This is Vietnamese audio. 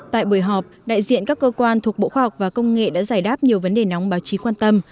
tại buổi họp đại diện các cơ quan thuộc bộ khoa học và công nghệ đã giải đáp nhiều vấn đề nóng báo chí quan tâm